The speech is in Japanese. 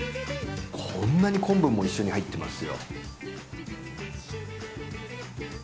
こんなに昆布も一緒に入ってますよ。